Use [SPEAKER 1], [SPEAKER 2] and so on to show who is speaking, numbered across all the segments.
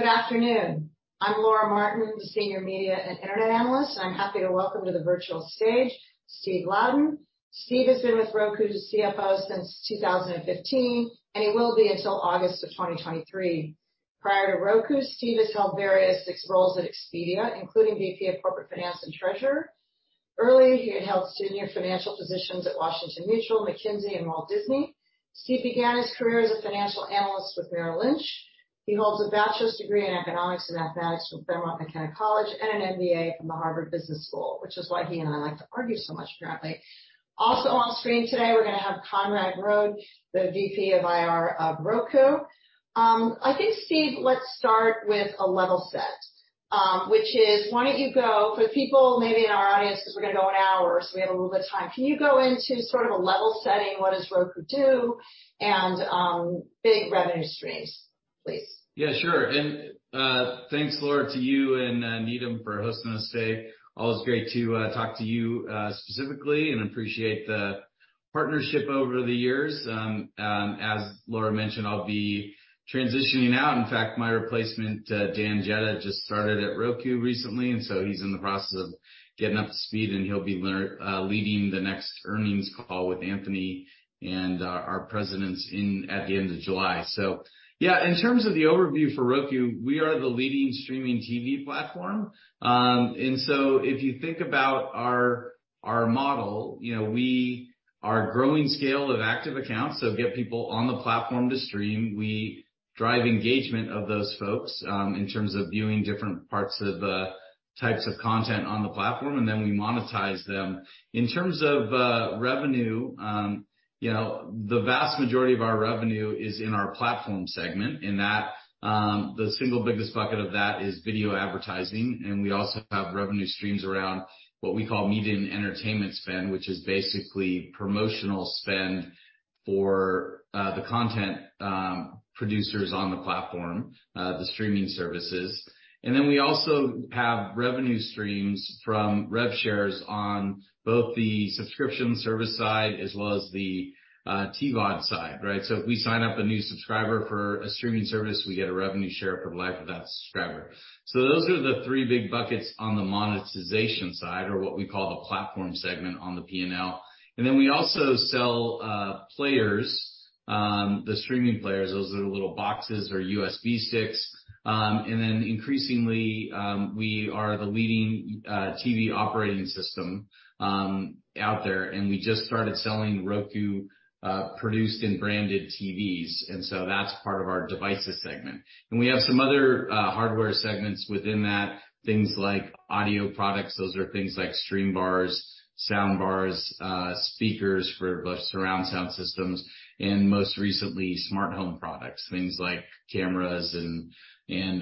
[SPEAKER 1] Good afternoon. I'm Laura Martin, the Senior Media and Internet Analyst, and I'm happy to welcome to the virtual stage Steve Louden. Steve has been with Roku as CFO since 2015, and he will be until August of 2023. Prior to Roku, Steve has held various six roles at Expedia, including VP of Corporate Finance and Treasurer. Earlier, he had held senior financial positions at Washington Mutual, McKinsey, and Walt Disney. Steve began his career as a financial analyst with Merrill Lynch. He holds a bachelor's degree in economics and mathematics from Claremont McKenna College and an MBA from the Harvard Business School, which is why he and I like to argue so much apparently. Also on screen today, we're gonna have Conrad Grodd, the VP of IR of Roku. I think, Steve, let's start with a level set, which is why don't you go for people maybe in our audience, 'cause we're gonna go an hour, so we have a little bit of time. Can you go into sort of a level setting, what does Roku do and big revenue streams, please?
[SPEAKER 2] Sure. Thanks, Laura, to you and Needham for hosting us today. Always great to talk to you specifically, and appreciate the partnership over the years. As Laura mentioned, I'll be transitioning out. In fact, my replacement, Dan Jedda, just started at Roku recently, and so he's in the process of getting up to speed, and he'll be leading the next earnings call with Anthony and our presidents at the end of July. Yeah, in terms of the overview for Roku, we are the leading streaming TV platform. If you think about our model, you know, we are growing scale of active accounts, so get people on the platform to stream. We drive engagement of those folks, in terms of viewing different parts of types of content on the platform, and then we monetize them. In terms of revenue, the vast majority of our revenue is in our platform segment, in that the single biggest bucket of that is video advertising. We also have revenue streams around what we call media and entertainment spend, which is basically promotional spend for the content producers on the platform, the streaming services. We also have revenue streams from rev shares on both the subscription service side as well as the TVOD side, right? If we sign up a new subscriber for a streaming service, we get a revenue share for the life of that subscriber. Those are the three big buckets on the monetization side or what we call the platform segment on the P&L. We also sell players, the streaming players. Those are the little boxes or USB sticks. Increasingly, we are the leading TV operating system out there, and we just started selling Roku produced and branded TVs. That's part of our devices segment. We have some other hardware segments within that. Things like audio products. Those are things like stream bars, sound bars, speakers for surround sound systems, and most recently, smart home products. Things like cameras and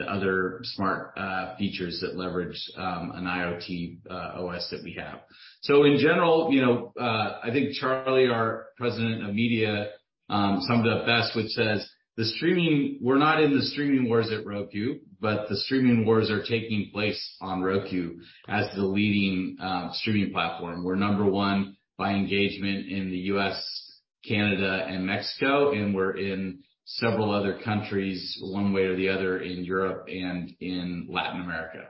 [SPEAKER 2] other smart features that leverage an IoT OS that we have. In general, you know, I think Charlie, our President of Media, summed it up best, which says we're not in the streaming wars at Roku, but the streaming wars are taking place on Roku as the leading streaming platform. We're number one by engagement in the U.S., Canada, and Mexico, and we're in several other countries, one way or the other, in Europe and in Latin America.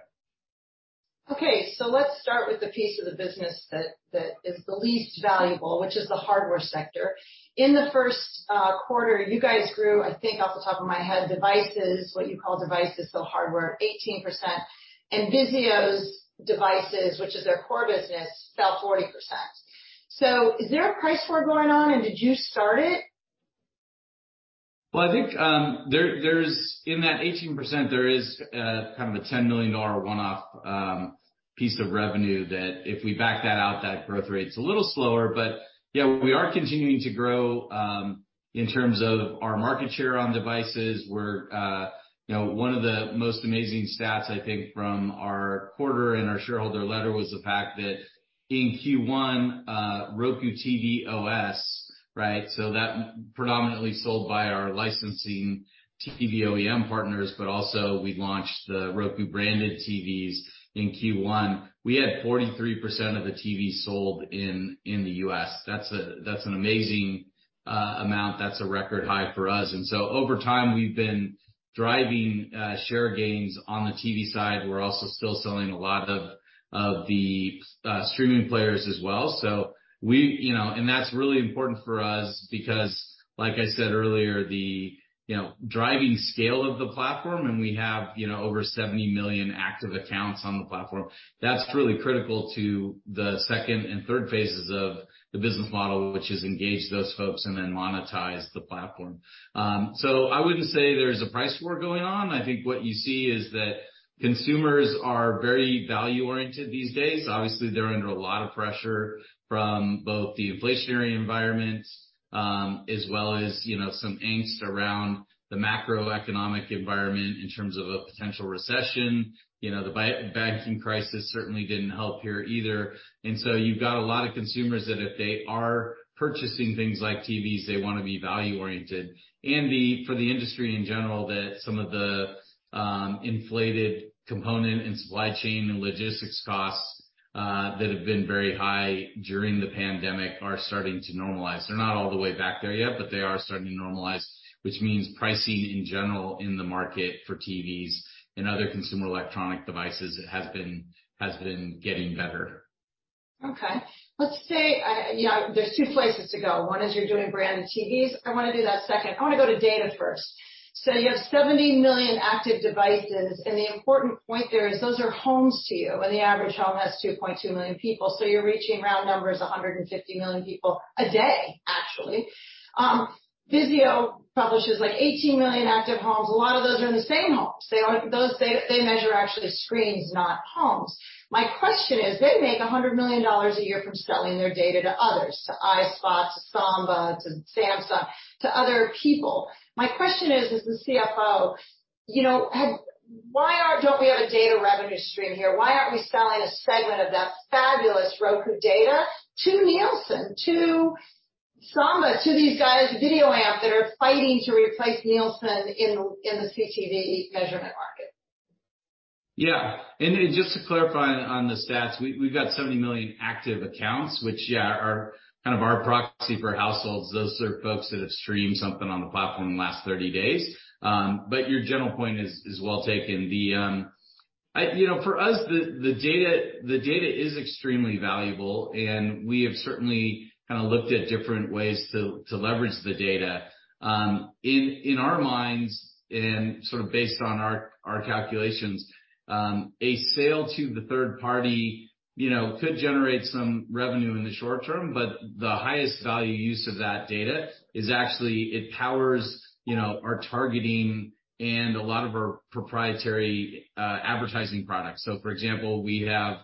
[SPEAKER 1] Okay, let's start with the piece of the business that is the least valuable, which is the hardware sector. In the first quarter, you guys grew, I think off the top of my head, devices, what you call devices, so hardware, 18%. VIZIO's devices, which is their core business, fell 40%. Is there a price war going on, and did you start it?
[SPEAKER 2] I think there's in that 18%, there is kind of a $10 million one-off piece of revenue that if we back that out, that growth rate's a little slower. We are continuing to grow in terms of our market share on devices. We're, you know, one of the most amazing stats, I think, from our quarter and our shareholder letter was the fact that in Q1, Roku TV OS, right? That predominantly sold by our licensing TV OEM partners, but also we launched the Roku branded TVs in Q1. We had 43% of the TVs sold in the U.S. That's a, that's an amazing amount. That's a record high for us. Over time, we've been driving share gains on the TV side. We're also still selling a lot of the streaming players as well. We, you know. That's really important for us because like I said earlier, the, you know, driving scale of the platform, and we have, you know, over 70 million active accounts on the platform. That's really critical to the second and third phases of the business model, which is engage those folks and then monetize the platform. I wouldn't say there's a price war going on. I think what you see is that consumers are very value-oriented these days. Obviously, they're under a lot of pressure from both the inflationary environment, as well as, you know, some angst around the macroeconomic environment in terms of a potential recession. You know, the banking crisis certainly didn't help here either. You've got a lot of consumers that if they are purchasing things like TVs, they wanna be value-oriented. For the industry in general, that some of the inflated component and supply chain and logistics costs that have been very high during the pandemic are starting to normalize. They're not all the way back there yet, but they are starting to normalize, which means pricing in general in the market for TVs and other consumer electronic devices has been getting better.
[SPEAKER 1] Okay. Let's say, yeah, there's two places to go. One is you're doing branded TVs. I wanna do that second. I wanna go to data first. You have 70 million active devices, and the important point there is those are homes to you, and the average home has 2.2 million people. You're reaching, round numbers, 150 million people a day, actually. Vizio publishes, like, 18 million active homes. A lot of those are in the same homes. They measure actually screens, not homes. My question is, they make $100 million a year from selling their data to others, to iSpot, to Samba, to Samsung, to other people. My question is, as the CFO, you know, why don't we have a data revenue stream here? Why aren't we selling a segment of that fabulous Roku data to Nielsen, to Samba, to these guys at VideoAmp that are fighting to replace Nielsen in the CTV measurement market?
[SPEAKER 2] Yeah. Then just to clarify on the stats, we've got 70 million active accounts which, yeah, are kind of our proxy for households. Those are folks that have streamed something on the platform in the last 30 days. Your general point is well taken. The, you know, for us, the data is extremely valuable, and we have certainly kind of looked at different ways to leverage the data. In our minds and sort of based on our calculations, a sale to the third party, you know, could generate some revenue in the short term, but the highest value use of that data is actually it powers, you know, our targeting and a lot of our proprietary advertising products. For example, we have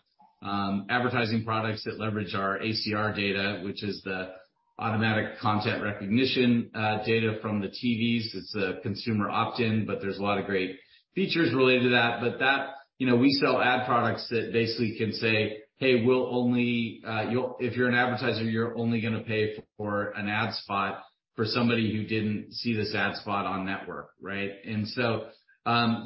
[SPEAKER 2] advertising products that leverage our ACR data, which is the Automatic Content Recognition data from the TVs. It's a consumer opt-in, but there's a lot of great features related to that. That, you know, we sell ad products that basically can say, "Hey, If you're an advertiser, you're only gonna pay for an ad spot for somebody who didn't see this ad spot on network." Right? So,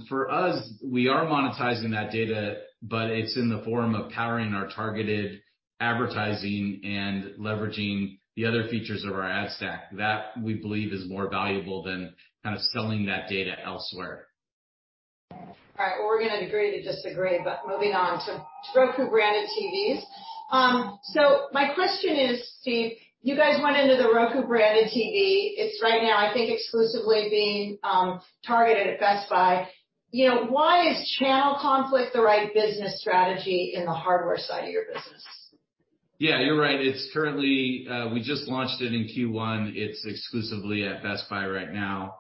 [SPEAKER 2] for us, we are monetizing that data, but it's in the form of powering our targeted advertising and leveraging the other features of our ad stack. That, we believe, is more valuable than kind of selling that data elsewhere.
[SPEAKER 1] All right. Well, we're gonna agree to disagree, but moving on. Roku-branded TVs. My question is, Steve, you guys went into the Roku-branded TV. It's right now, I think, exclusively being targeted at Best Buy. You know, why is channel conflict the right business strategy in the hardware side of your business?
[SPEAKER 2] Yeah, you're right. It's currently we just launched it in Q1. It's exclusively at Best Buy right now.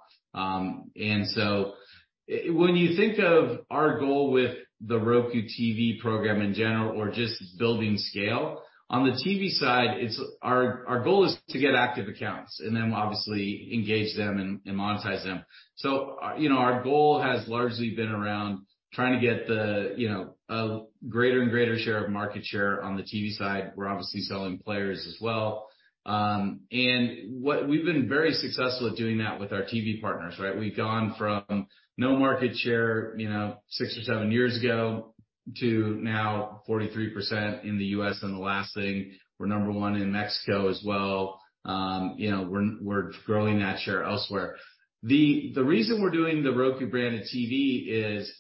[SPEAKER 2] When you think of our goal with the Roku TV program in general or just building scale, on the TV side, it's our goal is to get active accounts and then obviously engage them and monetize them. You know, our goal has largely been around trying to get the, you know, a greater and greater share of market share on the TV side. We're obviously selling players as well. We've been very successful at doing that with our TV partners, right? We've gone from no market share, you know, six or seven years ago to now 43% in the U.S. The last thing, we're number one in Mexico as well. You know, we're growing that share elsewhere. The reason we're doing the Roku-branded TV is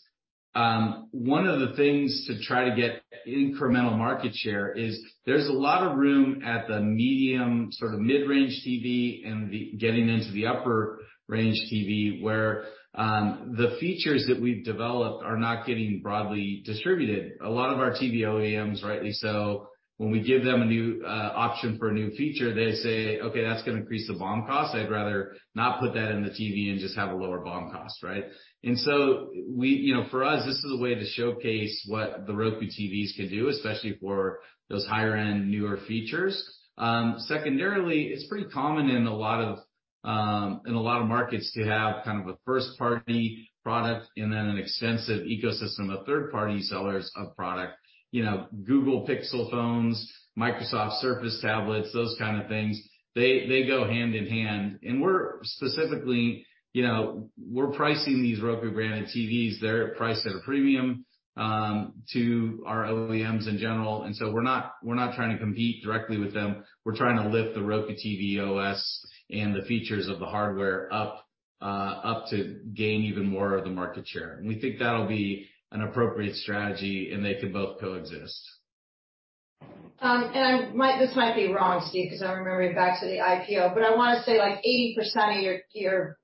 [SPEAKER 2] one of the things to try to get incremental market share is there's a lot of room at the medium, sort of mid-range TV and getting into the upper range TV, where the features that we've developed are not getting broadly distributed. A lot of our TV OEMs, rightly so, when we give them a new option for a new feature, they say, "Okay, that's gonna increase the BOM cost. I'd rather not put that in the TV and just have a lower BOM cost." Right? So we, you know, for us, this is a way to showcase what the Roku TVs can do, especially for those higher-end, newer features. Secondarily, it's pretty common in a lot of markets to have kind of a first-party product and then an extensive ecosystem of third-party sellers of product. You know, Google Pixel phones, Microsoft Surface tablets, those kind of things. They go hand in hand. We're specifically, you know, we're pricing these Roku-branded TVs. They're priced at a premium to our OEMs in general. We're not trying to compete directly with them. We're trying to lift the Roku TV OS and the features of the hardware up to gain even more of the market share. We think that'll be an appropriate strategy, and they can both coexist.
[SPEAKER 1] I might. This might be wrong, Steve, 'cause I'm remembering back to the IPO, but I wanna say like 80% of your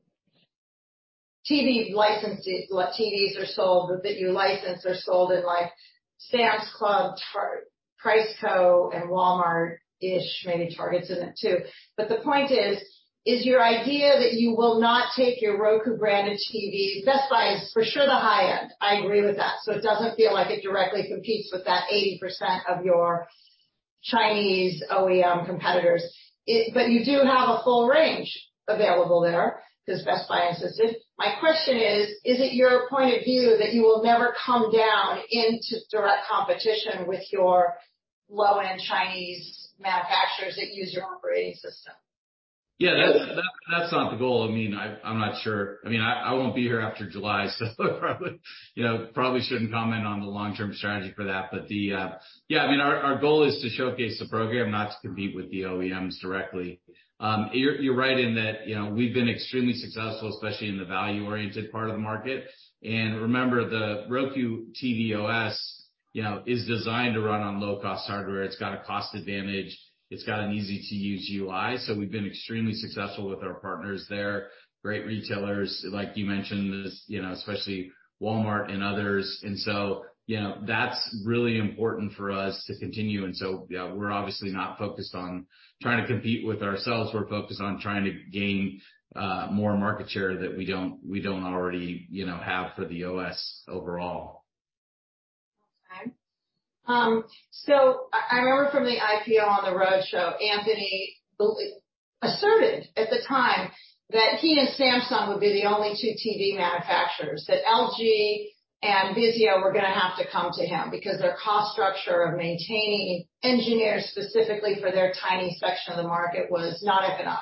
[SPEAKER 1] TV licenses, like TVs are sold, that you license are sold in like Sam's Club, Costco and Walmart-ish, maybe Target's in it too. The point is your idea that you will not take your Roku-branded TV. Best Buy is for sure the high end. I agree with that. It doesn't feel like it directly competes with that 80% of your Chinese OEM competitors. You do have a full range available there, 'cause Best Buy has this. My question is it your point of view that you will never come down into direct competition with your low-end Chinese manufacturers that use your operating system?
[SPEAKER 2] Yeah, that's not the goal. I mean, I'm not sure. I mean, I won't be here after July, so probably, you know, shouldn't comment on the long-term strategy for that. Yeah, I mean, our goal is to showcase the program, not to compete with the OEMs directly. You're right in that, you know, we've been extremely successful, especially in the value-oriented part of the market. Remember, the Roku TV OS, you know, is designed to run on low-cost hardware. It's got a cost advantage. It's got an easy-to-use UI. We've been extremely successful with our partners there. Great retailers, like you mentioned, is, you know, especially Walmart and others. You know, that's really important for us to continue. Yeah, we're obviously not focused on trying to compete with ourselves. We're focused on trying to gain more market share that we don't already, you know, have for the OS overall.
[SPEAKER 1] I remember from the IPO on the road show, Anthony asserted at the time that he and Samsung would be the only two TV manufacturers, that LG and VIZIO were gonna have to come to him because their cost structure of maintaining engineers specifically for their tiny section of the market was not economic.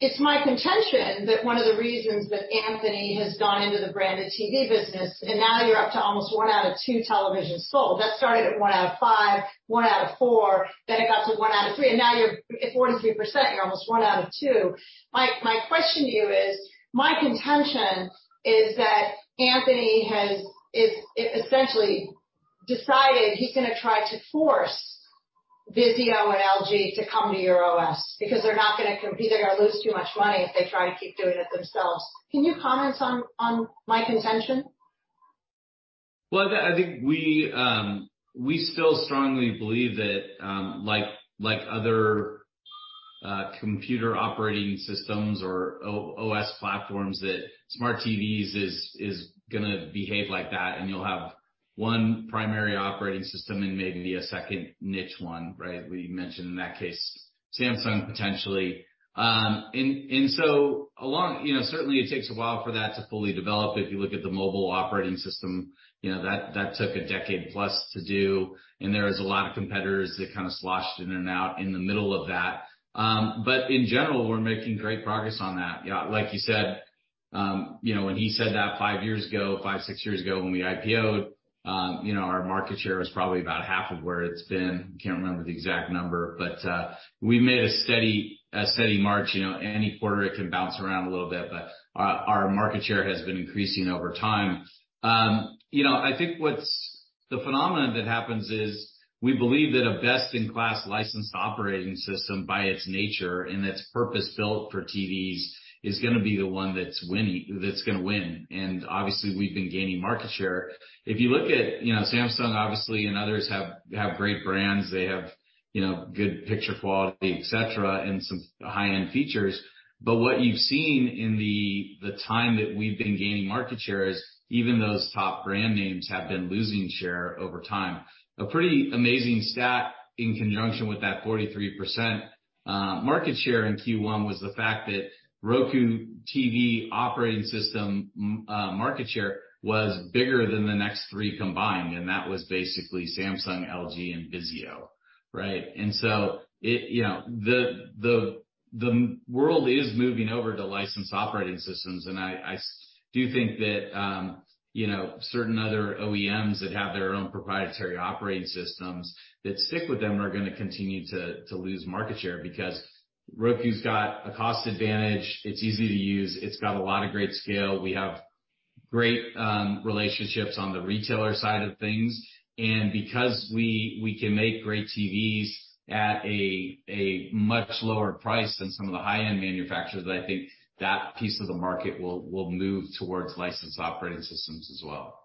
[SPEAKER 1] It's my contention that one of the reasons that Anthony has gone into the branded TV business, and now you're up to almost one out of two televisions sold. That started at one out of five, one out of four, then it got to one out of three, and now you're at 43%, you're almost one out of two. My question to you is, my contention is that Anthony has... is essentially decided he's gonna try to force VIZIO and LG to come to your OS because they're not gonna compete. They're gonna lose too much money if they try to keep doing it themselves. Can you comment on my contention?
[SPEAKER 2] I think we still strongly believe that like other computer operating systems or OS platforms, that smart TVs is gonna behave like that, and you'll have one primary operating system and maybe a second niche one, right? Where you mentioned, in that case, Samsung potentially. You know, certainly it takes a while for that to fully develop. If you look at the mobile operating system, you know, that took a decade plus to do, and there was a lot of competitors that kind of sloshed in and out in the middle of that. In general, we're making great progress on that. You said, you know, when he said that five years ago, five, six years ago when we IPO'd, you know, our market share was probably about half of where it's been. Can't remember the exact number, but we made a steady march. You know, any quarter it can bounce around a little bit, but our market share has been increasing over time. You know, I think The phenomenon that happens is we believe that a best-in-class licensed operating system by its nature and it's purpose-built for TVs is gonna be the one that's gonna win. Obviously, we've been gaining market share. If you look at, you know, Samsung obviously and others have great brands. They have, you know, good picture quality, et cetera, and some high-end features. What you've seen in the time that we've been gaining market share is even those top brand names have been losing share over time. A pretty amazing stat in conjunction with that 43% market share in Q1 was the fact that Roku TV Operating System market share was bigger than the next three combined, and that was basically Samsung, LG, and VIZIO, right? You know, the world is moving over to licensed operating systems, and I do think that, you know, certain other OEMs that have their own proprietary operating systems that stick with them are gonna continue to lose market share because Roku's got a cost advantage, it's easy to use, it's got a lot of great scale. We have great relationships on the retailer side of things. Because we can make great TVs at a much lower price than some of the high-end manufacturers, I think that piece of the market will move towards licensed operating systems as well.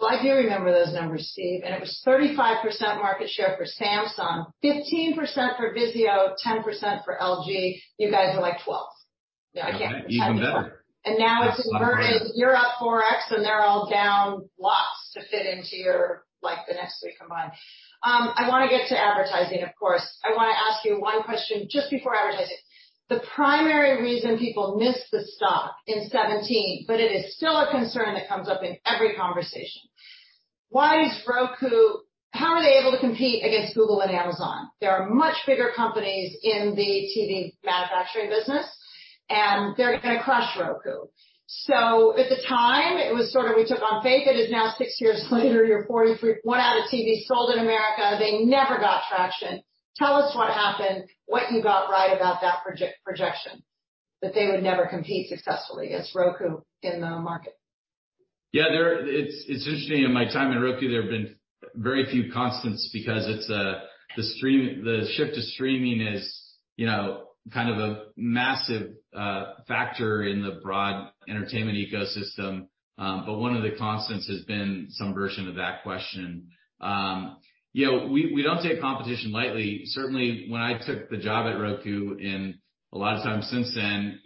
[SPEAKER 1] Well, I do remember those numbers, Steve, It was 35% market share for Samsung, 15% for Vizio, 10% for LG. You guys were like 12. No, I can't.
[SPEAKER 2] Even better.
[SPEAKER 1] Now it's inverted. You're up 4x, and they're all down lots to fit into your, like, the next three combined. I wanna get to advertising, of course. I wanna ask you one question just before advertising. The primary reason people missed the stock in 2017, it is still a concern that comes up in every conversation. Why is Roku... How are they able to compete against Google and Amazon? There are much bigger companies in the TV manufacturing business, and they're gonna crush Roku. At the time, it was sort of we took on faith. It is now six years later, you're 43... One out of TVs sold in America. They never got traction. Tell us what happened, what you got right about that projection, that they would never compete successfully against Roku in the market.
[SPEAKER 2] It's interesting. In my time in Roku, there have been very few constants because the shift to streaming is, you know, kind of a massive factor in the broad entertainment ecosystem. One of the constants has been some version of that question. You know, we don't take competition lightly. Certainly, when I took the job at Roku and a lot of times since then,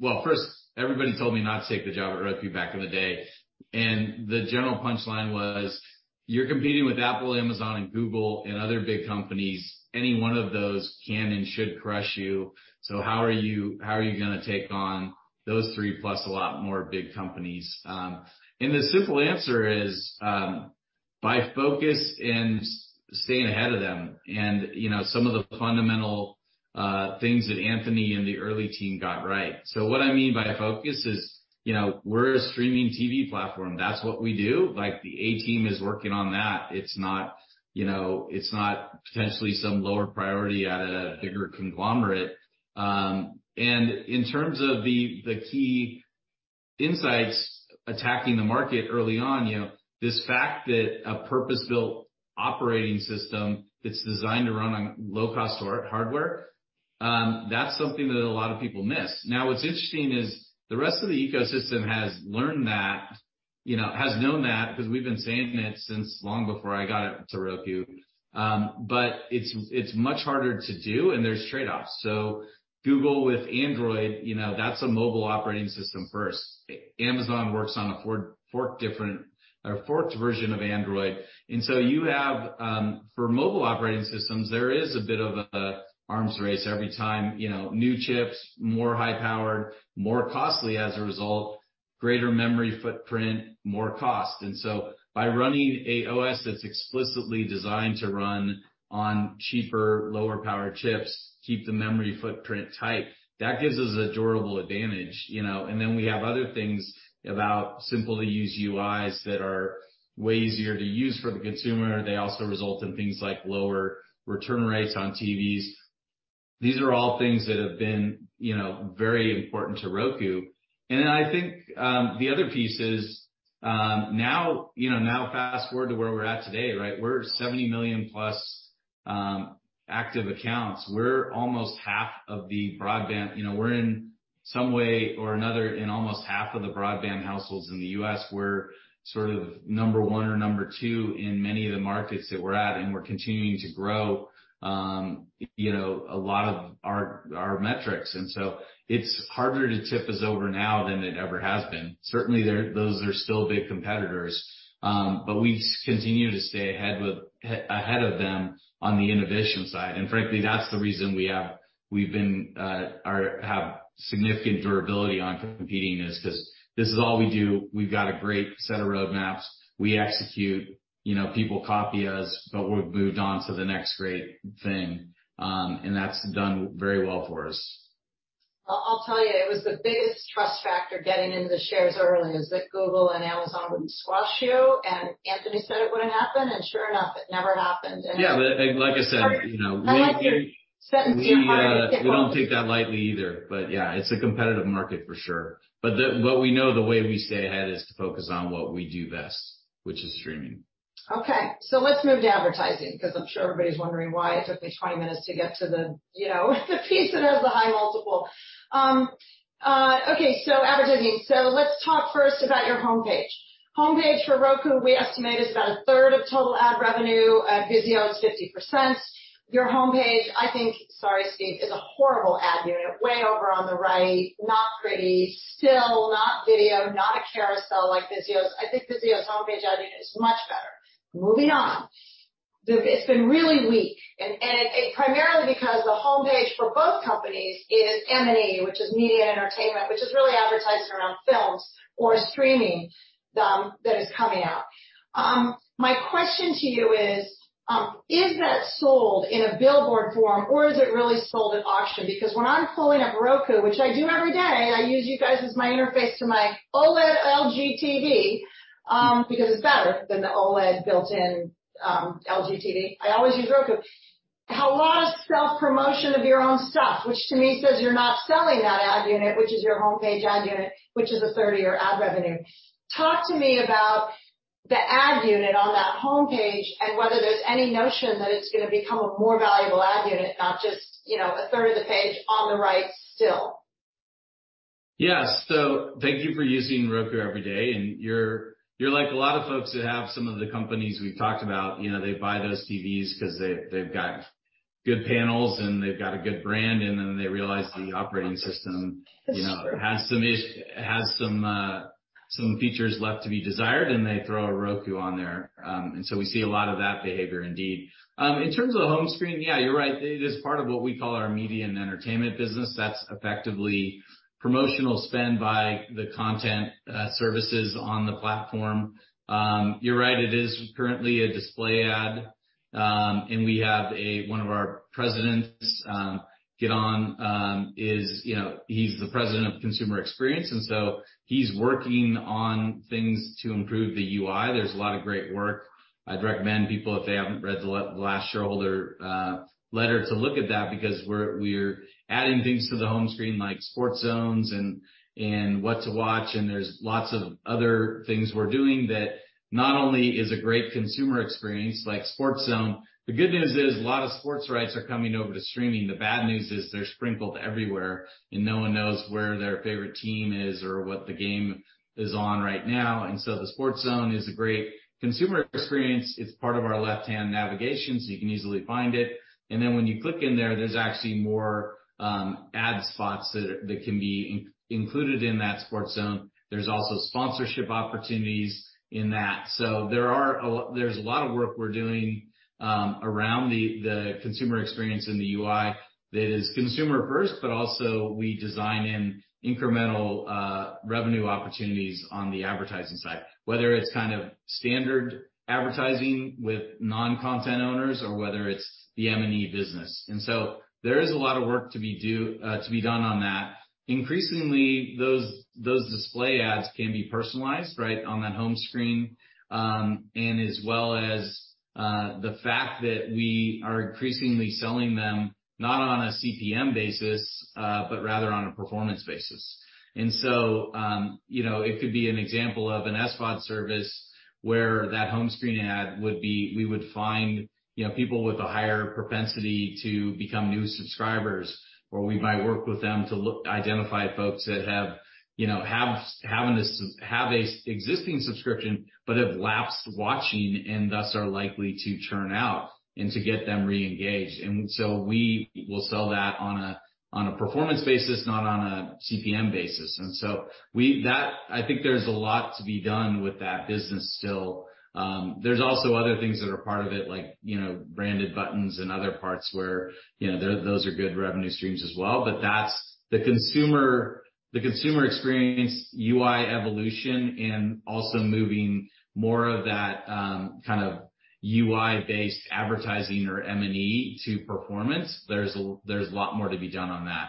[SPEAKER 2] Well, first, everybody told me not to take the job at Roku back in the day, and the general punchline was, "You're competing with Apple, Amazon, and Google and other big companies. Any one of those can and should crush you. How are you, how are you gonna take on those three plus a lot more big companies?" The simple answer is, By focus and staying ahead of them and, you know, some of the fundamental things that Anthony and the early team got right. What I mean by focus is, you know, we're a streaming TV platform. That's what we do. Like, the A team is working on that. It's not, you know, it's not potentially some lower priority at a bigger conglomerate. In terms of the key insights attacking the market early on, you know, this fact that a purpose-built operating system that's designed to run on low-cost or hardware, that's something that a lot of people miss. Now, what's interesting is the rest of the ecosystem has learned that, you know, has known that because we've been saying it since long before I got to Roku. It's much harder to do, and there's trade-offs. Google with Android, you know, that's a mobile operating system first. Amazon works on a forked different or forked version of Android. You have, for mobile operating systems, there is a bit of a arms race every time, you know, new chips, more high-powered, more costly as a result, greater memory footprint, more cost. By running a OS that's explicitly designed to run on cheaper, lower-powered chips, keep the memory footprint tight, that gives us a durable advantage, you know. Then we have other things about simple to use UIs that are way easier to use for the consumer. They also result in things like lower return rates on TVs. These are all things that have been, you know, very important to Roku. I think the other piece is, now, you know, now fast-forward to where we're at today, right? We're 70 million-plus active accounts. We're almost half of the broadband. You know, we're in some way or another in almost half of the broadband households in the U.S. We're sort of number one or number two in many of the markets that we're at, and we're continuing to grow, you know, a lot of our metrics. It's harder to tip us over now than it ever has been. Certainly, those are still big competitors. We continue to stay ahead of them on the innovation side. Frankly, that's the reason we've been, have significant durability on competing is 'cause this is all we do. We've got a great set of roadmaps. We execute, you know, people copy us, but we've moved on to the next great thing. That's done very well for us.
[SPEAKER 1] I'll tell you, it was the biggest trust factor getting into the shares early is that Google and Amazon wouldn't squash you, and Anthony said it wouldn't happen, and sure enough, it never happened.
[SPEAKER 2] Yeah. Like I said, you know, we don't take that lightly either. Yeah, it's a competitive market for sure. What we know, the way we stay ahead is to focus on what we do best, which is streaming.
[SPEAKER 1] Let's move to advertising because I'm sure everybody's wondering why it took me 20 minutes to get to the, you know, the piece that has the high multiple. Advertising. Let's talk first about your homepage. Homepage for Roku, we estimate, is about a third of total ad revenue. At Vizio, it's 50%. Your homepage, I think, sorry, Steve, is a horrible ad unit. Way over on the right, not pretty, still not video, not a carousel like Vizio's. I think Vizio's homepage ad unit is much better. Moving on. It's been really weak, and it primarily because the homepage for both companies is M&E, which is media and entertainment, which is really advertising around films or streaming that is coming out. My question to you is that sold in a billboard form or is it really sold at auction? When I'm pulling up Roku, which I do every day, and I use you guys as my interface to my OLED LG TV, because it's better than the OLED built-in LG TV. I always use Roku. A lot of self-promotion of your own stuff, which to me says you're not selling that ad unit, which is your homepage ad unit, which is a third of your ad revenue. Talk to me about the ad unit on that homepage and whether there's any notion that it's gonna become a more valuable ad unit, not just, you know, a third of the page on the right still.
[SPEAKER 2] Yeah. Thank you for using Roku every day, and you're like a lot of folks that have some of the companies we've talked about. You know, they buy those TVs 'cause they've got good panels and they've got a good brand, and then they realize the operating system-
[SPEAKER 1] That's true.
[SPEAKER 2] You know, has some features left to be desired, and they throw a Roku on there. We see a lot of that behavior indeed. In terms of home screen, yeah, you're right. It is part of what we call our media and entertainment business that's effectively promotional spend by the content services on the platform. You're right, it is currently a display ad. We have one of our presidents, Gidon, is, you know, he's the President of Consumer Experience, and so he's working on things to improve the UI. There's a lot of great work. I'd recommend people, if they haven't read the last shareholder letter, to look at that because we're adding things to the home screen like Sports Zones and What to Watch. There's lots of other things we're doing that not only is a great consumer experience like Sports Zone. The good news is, a lot of sports rights are coming over to streaming. The bad news is they're sprinkled everywhere, and no one knows where their favorite team is or what the game is on right now. The Sports Zone is a great consumer experience. It's part of our left-hand navigation, so you can easily find it. When you click in there's actually more ad spots that can be included in that Sports Zone. There's also sponsorship opportunities in that. There's a lot of work we're doing around the consumer experience in the UI that is consumer first, but also we design in incremental revenue opportunities on the advertising side, whether it's kind of standard advertising with non-content owners or whether it's the M&E business. There is a lot of work to be done on that. Increasingly, those display ads can be personalized, right, on that home screen, as well as the fact that we are increasingly selling them not on a CPM basis, but rather on a performance basis. You know, it could be an example of an SVOD service where that home screen ad would be, we would find, you know, people with a higher propensity to become new subscribers, or we might work with them to identify folks that have, you know, an existing subscription but have lapsed watching and thus are likely to churn out and to get them re-engaged. We will sell that on a performance basis, not on a CPM basis. I think there's a lot to be done with that business still. There's also other things that are part of it, like, you know, branded buttons and other parts where, you know, those are good revenue streams as well. That's the consumer, the consumer experience UI evolution and also moving more of that, kind of UI-based advertising or M&E to performance. There's a, there's a lot more to be done on that.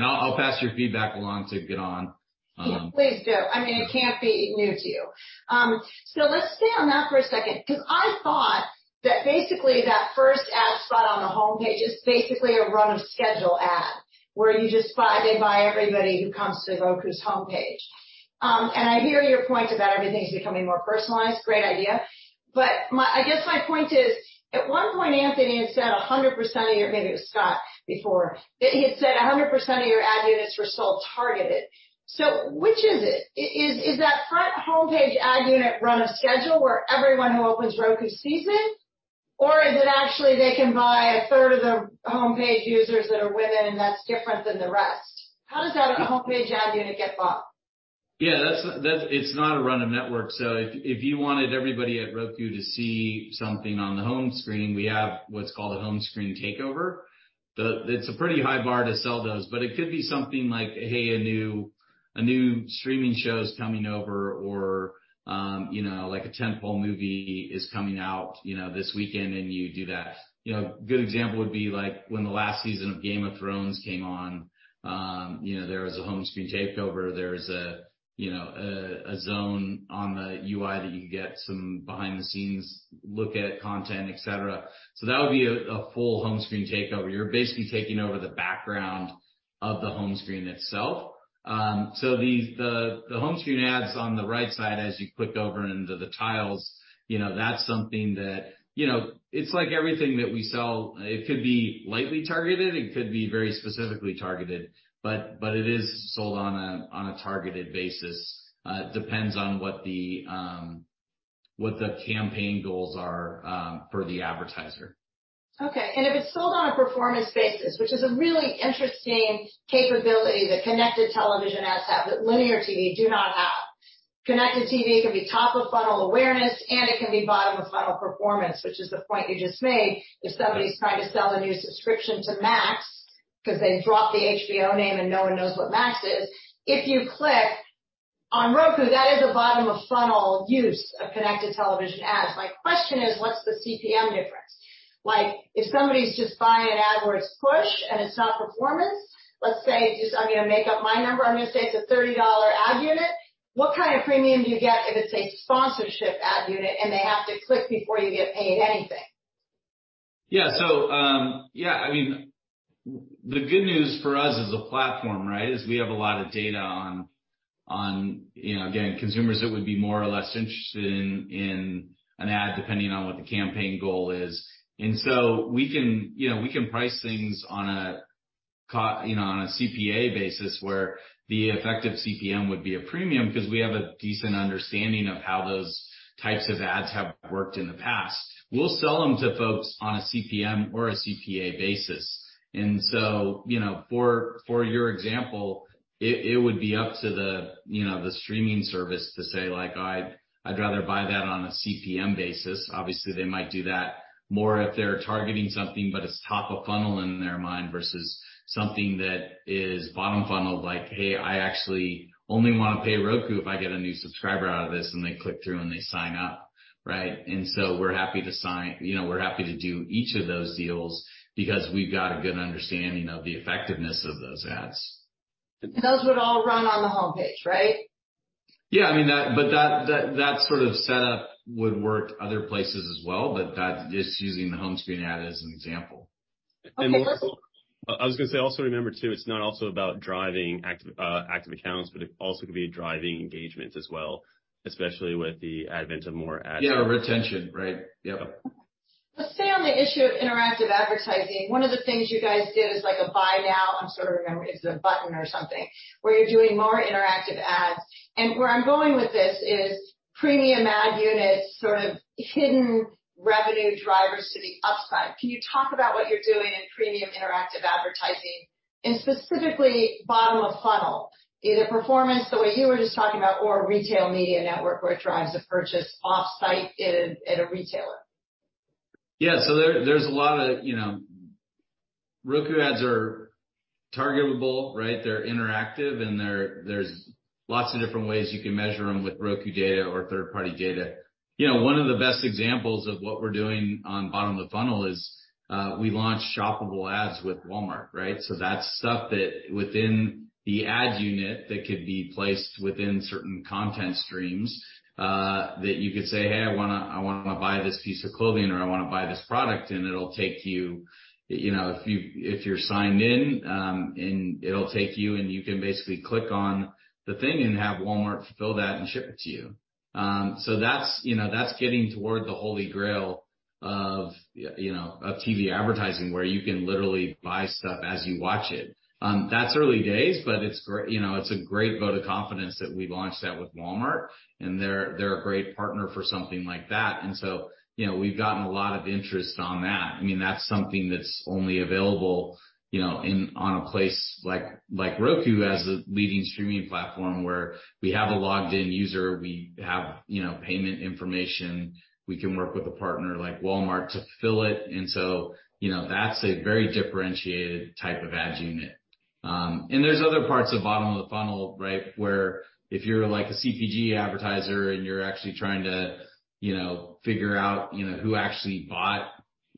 [SPEAKER 2] I'll pass your feedback along to Gidon.
[SPEAKER 1] Yeah. Please do. I mean, it can't be new to you. Let's stay on that for a second, 'cause I thought that basically that first ad spot on the homepage is basically a run-of-schedule ad, where you just buy, they buy everybody who comes to Roku's homepage. I hear your point about everything's becoming more personalized. Great idea. I guess my point is, at one point, Anthony had said 100% of your... Maybe it was Scott before. That he had said 100% of your ad units were sold targeted. Which is it? Is that front homepage ad unit run a schedule where everyone who opens Roku sees it? Or is it actually they can buy 1/3 of the homepage users that are women, and that's different than the rest? How does that homepage ad unit get bought?
[SPEAKER 2] That's not a run of network. If, if you wanted everybody at Roku to see something on the home screen, we have what's called a home screen takeover. It's a pretty high bar to sell those, but it could be something like, hey, a new, a new streaming show's coming over or, you know, like a tent-pole movie is coming out, you know, this weekend, and you do that. You know, a good example would be like when the last season of Game of Thrones came on, you know, there was a home screen takeover. There was a, you know, a zone on the UI that you could get some behind-the-scenes look at content, et cetera. That would be a full home screen takeover. You're basically taking over the background of the home screen itself. These, the home screen ads on the right side as you clicked over into the tiles, you know, that's something. You know, it's like everything that we sell. It could be lightly targeted, it could be very specifically targeted, but it is sold on a targeted basis. It depends on what the campaign goals are for the advertiser.
[SPEAKER 1] Okay. If it's sold on a performance basis, which is a really interesting capability that connected television ads have, that linear TV do not have. Connected TV can be top of funnel awareness, and it can be bottom of funnel performance, which is the point you just made. If somebody's trying to sell a new subscription to Max, 'cause they dropped the HBO name and no one knows what Max is, if you click on Roku, that is a bottom of funnel use of connected television ads. My question is, what's the CPM difference? Like, if somebody's just buying an ad where it's push and it's not performance, let's say just I'm gonna make up my number, I'm gonna say it's a $30 ad unit. What kind of premium do you get if it's a sponsorship ad unit and they have to click before you get paid anything?
[SPEAKER 2] Yeah, I mean, the good news for us as a platform, right, is we have a lot of data on, you know, again, consumers that would be more or less interested in an ad depending on what the campaign goal is. We can, you know, we can price things on a CPA basis, where the effective CPM would be a premium 'cause we have a decent understanding of how those types of ads have worked in the past. We'll sell them to folks on a CPM or a CPA basis. You know, for your example, it would be up to the, you know, the streaming service to say, like, "I'd rather buy that on a CPM basis." Obviously, they might do that more if they're targeting something, but it's top of funnel in their mind versus something that is bottom funnel, like, "Hey, I actually only wanna pay Roku if I get a new subscriber out of this," and they click through and they sign up, right? We're happy to do each of those deals because we've got a good understanding of the effectiveness of those ads.
[SPEAKER 1] Those would all run on the homepage, right?
[SPEAKER 2] Yeah, I mean, that, but that sort of setup would work other places as well, but that's just using the home screen ad as an example.
[SPEAKER 1] Okay.
[SPEAKER 3] I was gonna say also remember too, it's not also about driving active accounts, but it also could be driving engagement as well, especially with the advent of more ads.
[SPEAKER 2] Yeah, retention, right. Yep.
[SPEAKER 1] Let's stay on the issue of interactive advertising. One of the things you guys did is like a buy now, I'm sort of remembering. It's a button or something, where you're doing more interactive ads. Where I'm going with this is premium ad units, sort of hidden revenue drivers to the upside. Can you talk about what you're doing in premium interactive advertising and specifically bottom of funnel, either performance the way you were just talking about or retail media network, where it drives a purchase off-site at a retailer?
[SPEAKER 2] There's a lot of, you know, Roku ads are targetable, right? They're interactive, and there's lots of different ways you can measure them with Roku data or third-party data. You know, one of the best examples of what we're doing on bottom of the funnel is, we launched shoppable ads with Walmart, right? That's stuff that within the ad unit that could be placed within certain content streams, that you could say, "Hey, I wanna buy this piece of clothing," or, "I wanna buy this product," and it'll take you. You know, if you, if you're signed in, and it'll take you, and you can basically click on the thing and have Walmart fulfill that and ship it to you. So that's, you know, that's getting toward the holy grail of, you know, of TV advertising, where you can literally buy stuff as you watch it. That's early days, but it's great. You know, it's a great vote of confidence that we launched that with Walmart, and they're a great partner for something like that. You know, we've gotten a lot of interest on that. I mean, that's something that's only available, you know, on a place like Roku as a leading streaming platform where we have a logged in user. We have, you know, payment information. We can work with a partner like Walmart to fill it, you know, that's a very differentiated type of ad unit. There's other parts of bottom of the funnel, right? Where if you're like a CPG advertiser and you're actually trying to, you know, figure out, you know, who actually bought,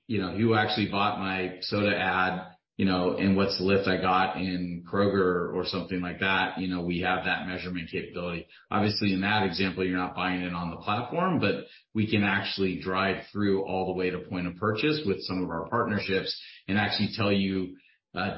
[SPEAKER 2] you know, who actually bought my soda ad, you know, and what's the lift I got in Kroger or something like that, you know, we have that measurement capability. Obviously, in that example, you're not buying it on the platform, but we can actually drive through all the way to point of purchase with some of our partnerships and actually tell you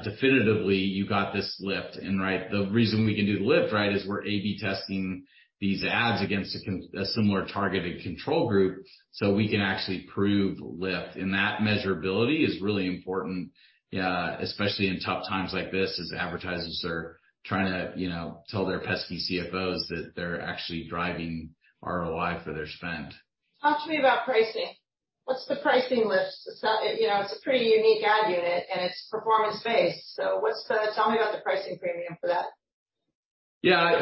[SPEAKER 2] definitively you got this lift and, right? The reason we can do the lift, right, is we're A/B testing these ads against a similar targeted control group, so we can actually prove lift. That measurability is really important, especially in tough times like this, as advertisers are trying to, you know, tell their pesky CFOs that they're actually driving ROI for their spend.
[SPEAKER 1] Talk to me about pricing. What's the pricing list? It's, you know, it's a pretty unique ad unit, and it's performance-based. Tell me about the pricing premium for that.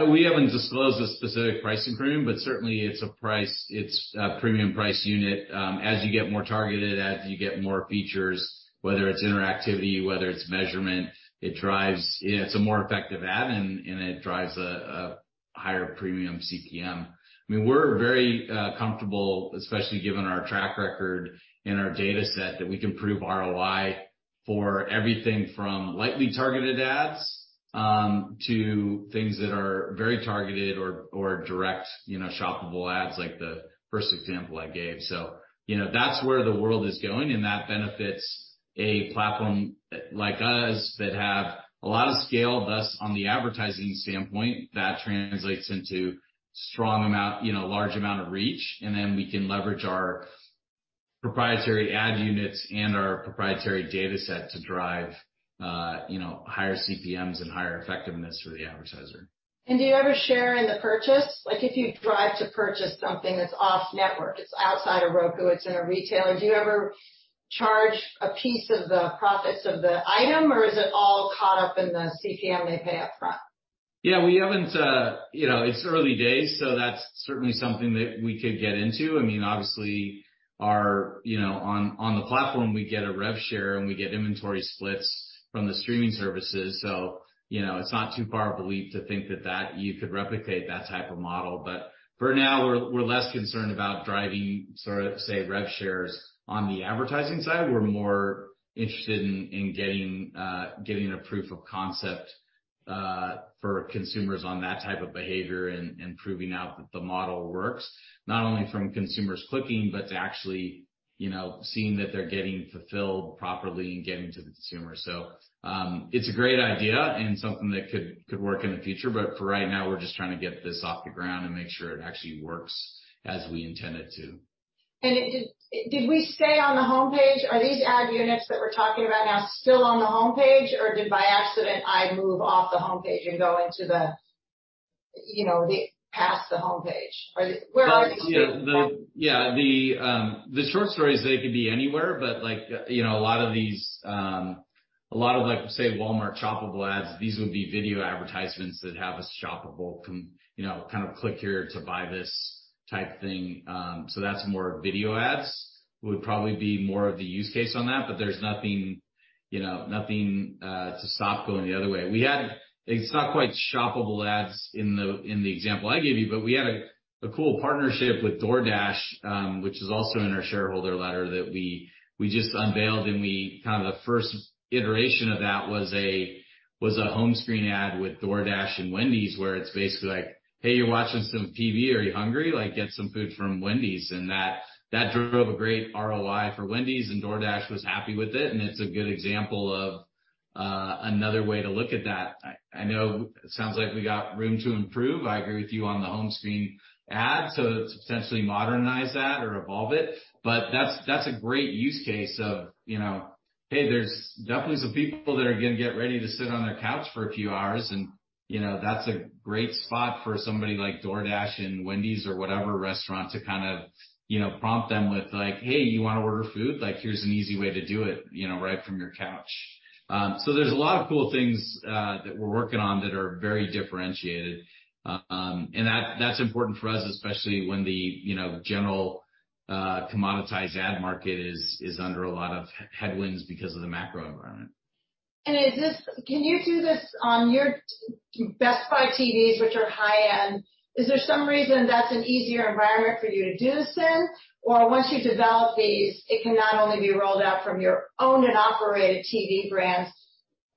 [SPEAKER 2] We haven't disclosed a specific pricing premium, but certainly it's a price. It's a premium price unit. As you get more targeted, as you get more features, whether it's interactivity, whether it's measurement, It's a more effective ad, and it drives a higher premium CPM. I mean, we're very comfortable, especially given our track record and our data set, that we can prove ROI for everything from lightly targeted ads to things that are very targeted or direct, you know, shoppable ads, like the first example I gave. You know, that's where the world is going, and that benefits a platform like us that have a lot of scale. On the advertising standpoint, that translates into strong amount, you know, large amount of reach. We can leverage our proprietary ad units and our proprietary data set to drive, you know, higher CPMs and higher effectiveness for the advertiser.
[SPEAKER 1] Do you ever share in the purchase? Like, if you drive to purchase something that's off network, it's outside of Roku, it's in a retailer, do you ever charge a piece of the profits of the item, or is it all caught up in the CPM they pay up front?
[SPEAKER 2] We haven't, you know, it's early days, so that's certainly something that we could get into. I mean, obviously our, you know, on the platform, we get a rev share, and we get inventory splits from the streaming services. You know, it's not too far a belief to think that you could replicate that type of model. For now, we're less concerned about driving sort of, say, rev shares on the advertising side. We're more interested in getting a proof of concept for consumers on that type of behavior and proving out that the model works not only from consumers clicking, but to actually, you know, seeing that they're getting fulfilled properly and getting to the consumer. It's a great idea and something that could work in the future. For right now, we're just trying to get this off the ground and make sure it actually works as we intend it to.
[SPEAKER 1] It, did we stay on the homepage? Are these ad units that we're talking about now still on the homepage or did I by accident move off the homepage and go into the, you know, the past the homepage. Where are these units?
[SPEAKER 2] The, the short story is they could be anywhere, but like, you know, a lot of these, a lot of like, say, Walmart shoppable ads, these would be video advertisements that have a shoppable from, you know, kind of click here to buy this type thing. That's more video ads. Would probably be more of the use case on that, but there's nothing, you know, nothing to stop going the other way. We had. It's not quite shoppable ads in the, in the example I gave you, but we had a cool partnership with DoorDash, which is also in our shareholder letter, that we just unveiled, and we kind of the first iteration of that was a, was a home screen ad with DoorDash and Wendy's, where it's basically like, "Hey, you're watching some TV. Are you hungry? Like, get some food from Wendy's." That drove a great ROI for Wendy's. DoorDash was happy with it. It's a good example of another way to look at that. I know it sounds like we got room to improve. I agree with you on the home screen ad, so to substantially modernize that or evolve it. That's a great use case of, you know, hey, there's definitely some people that are gonna get ready to sit on their couch for a few hours, and, you know, that's a great spot for somebody like DoorDash and Wendy's or whatever restaurant to kind of, you know, prompt them with, like, "Hey, you wanna order food? Like, here's an easy way to do it, you know, right from your couch. There's a lot of cool things that we're working on that are very differentiated. That's important for us, especially when the, you know, general commoditized ad market is under a lot of headwinds because of the macro environment.
[SPEAKER 1] Is this can you do this on your Best Buy TVs, which are high-end? Is there some reason that's an easier environment for you to do this in? Once you develop these, it can not only be rolled out from your own and operated TV brands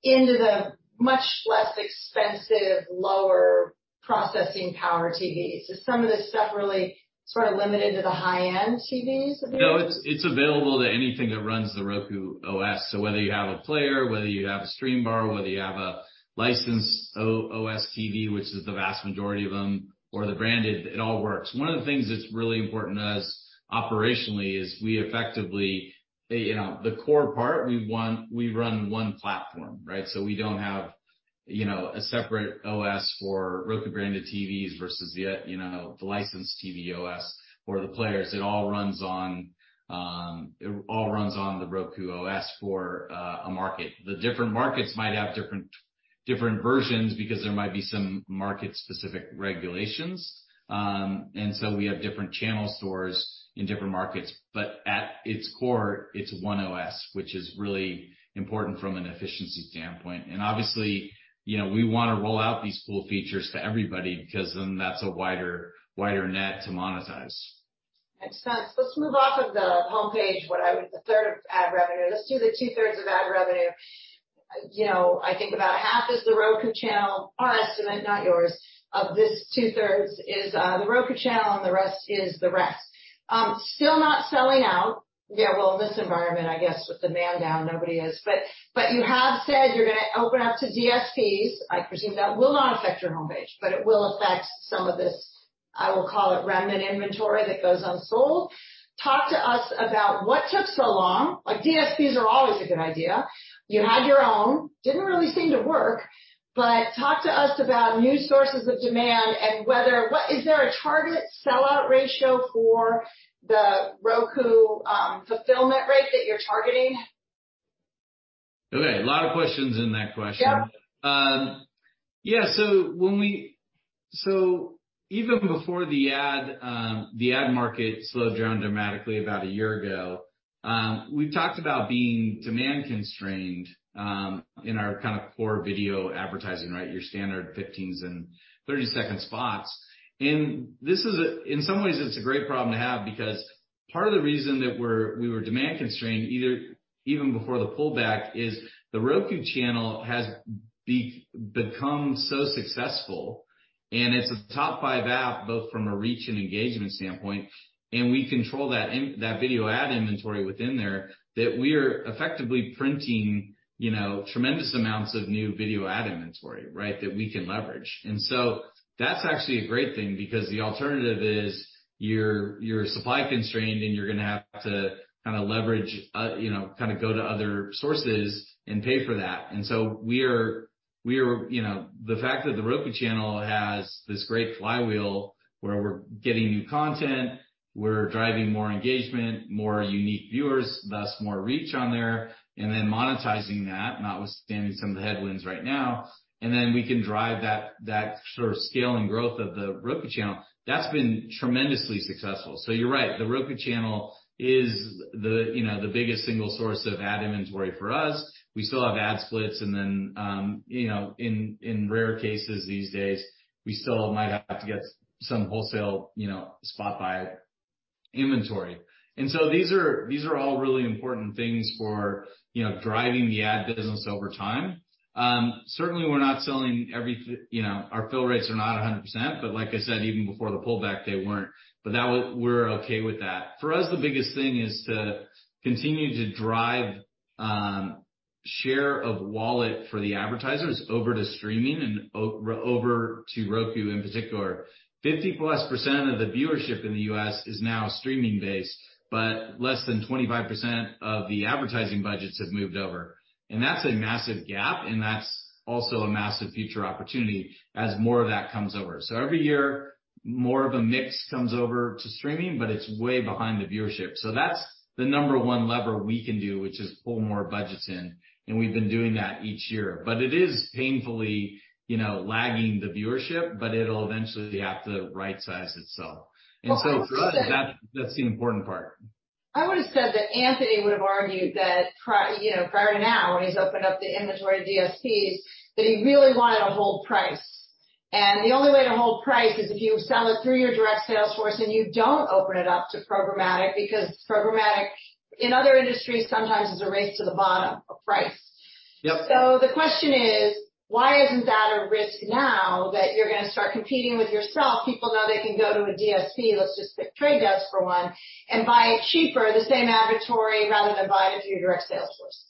[SPEAKER 1] into the much less expensive, lower processing power TVs. Is some of this stuff really sort of limited to the high-end TVs, I guess?
[SPEAKER 2] It's available to anything that runs the Roku OS. Whether you have a player, whether you have a StreamBar, whether you have a licensed OS TV, which is the vast majority of them, or the branded, it all works. One of the things that's really important to us operationally is we effectively, you know, the core part, we run one platform, right? We don't have, you know, a separate OS for Roku-branded TVs versus the, you know, the licensed TV OS or the players. It all runs on the Roku OS for a market. The different markets might have different versions because there might be some market-specific regulations. We have different channel stores in different markets. At its core, it's one OS, which is really important from an efficiency standpoint. Obviously, you know, we wanna roll out these cool features to everybody because then that's a wider net to monetize.
[SPEAKER 1] Makes sense. Let's move off of the homepage, the third of ad revenue. Let's do the two-thirds of ad revenue. You know, I think about half is The Roku Channel. Our estimate, not yours. Of this two-thirds is The Roku Channel, and the rest is the rest. Still not selling out. Yeah, well, in this environment, I guess, with the man down, nobody is. You have said you're gonna open up to DSPs. I presume that will not affect your homepage, but it will affect some of this, I will call it remnant inventory that goes unsold. Talk to us about what took so long. Like, DSPs are always a good idea. You had your own, didn't really seem to work, but talk to us about new sources of demand and Is there a target sellout ratio for the Roku fulfillment rate that you're targeting?
[SPEAKER 2] Okay. A lot of questions in that question.
[SPEAKER 1] Yep.
[SPEAKER 2] Even before the ad market slowed down dramatically about a year ago, we've talked about being demand constrained in our kind of core video advertising, right? Your standard 15s and 30-second spots. In some ways, it's a great problem to have because part of the reason that we were demand constrained, either even before the pullback, is The Roku Channel has become so successful, and it's a top five app, both from a reach and engagement standpoint, and we control that video ad inventory within there, that we're effectively printing, you know, tremendous amounts of new video ad inventory, right, that we can leverage. That's actually a great thing because the alternative is you're supply constrained, and you're gonna have to kinda leverage, you know, go to other sources and pay for that. We are, you know, the fact that The Roku Channel has this great flywheel where we're getting new content, we're driving more engagement, more unique viewers, thus more reach on there, and then monetizing that, notwithstanding some of the headwinds right now, and then we can drive that sort of scale and growth of The Roku Channel, that's been tremendously successful. You're right, The Roku Channel is the, you know, the biggest single source of ad inventory for us. We still have ad splits and then, you know, in rare cases these days, we still might have to get some wholesale, you know, spot buy inventory. These are all really important things for, you know, driving the ad business over time. Certainly, we're not selling You know, our fill rates are not 100%, but like I said, even before the pullback, they weren't. We're okay with that. For us, the biggest thing is to continue to drive share of wallet for the advertisers over to streaming and over to Roku in particular. 50%+ of the viewership in the U.S. is now streaming-based, but less than 25% of the advertising budgets have moved over. That's a massive gap, and that's also a massive future opportunity as more of that comes over. Every year, more of a mix comes over to streaming, but it's way behind the viewership. That's the number one lever we can do, which is pull more budgets in, and we've been doing that each year. It is painfully, you know, lagging the viewership, but it'll eventually have to right-size itself.
[SPEAKER 1] Well, I would have said.
[SPEAKER 2] For us, that's the important part.
[SPEAKER 1] I would've said that Anthony would have argued that you know, prior to now, when he's opened up the inventory to DSPs, that he really wanted to hold price. The only way to hold price is if you sell it through your direct sales force and you don't open it up to programmatic because programmatic, in other industries sometimes is a race to the bottom of price.
[SPEAKER 2] Yep.
[SPEAKER 1] The question is: Why isn't that a risk now that you're gonna start competing with yourself? People know they can go to a DSP, let's just pick Trade Desk for one, and buy it cheaper, the same inventory, rather than buy it through your direct sales force.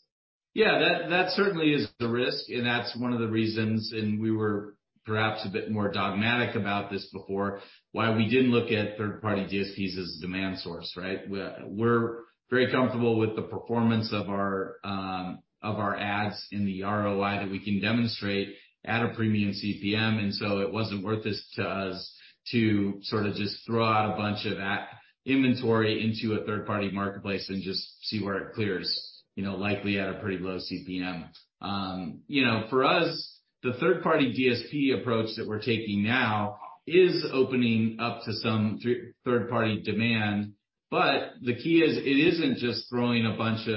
[SPEAKER 2] That, that certainly is the risk, and that's one of the reasons, and we were perhaps a bit more dogmatic about this before, why we didn't look at third-party DSPs as a demand source, right? We're very comfortable with the performance of our ads and the ROI that we can demonstrate at a premium CPM. It wasn't worth this to us to sorta just throw out a bunch of inventory into a third-party marketplace and just see where it clears, you know, likely at a pretty low CPM. You know, for us, the third-party DSP approach that we're taking now is opening up to some third-party demand. The key is, it isn't just throwing a bunch